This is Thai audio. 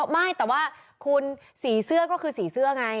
ไม่แต่ว่าคุณสีเสื้อก็คือสีเสื้อไง